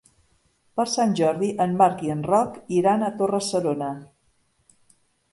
Per Sant Jordi en Marc i en Roc iran a Torre-serona.